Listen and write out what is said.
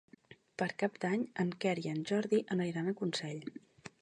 Per Cap d'Any en Quer i en Jordi aniran a Consell.